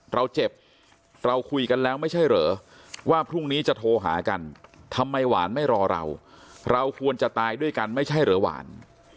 เราเจ็บเราคุยกันแล้วไม่ใช่เหรอว่าพรุ่งนี้จะโทรหากันทำไมหวานไม่รอเราเราควรจะตายด้วยกันไม่ใช่เหรอหวาน